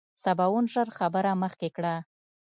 سباوون ژر خبره مخکې کړه.